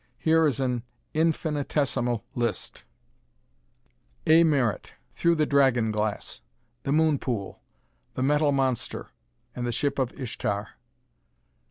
Here is an infinitesimal list: A. Merritt: "Thru the Dragon Glass," "The Moon Pool," "The Metal Monster" and "The Ship of Ishtar."